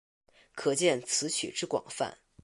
可见此曲之广泛。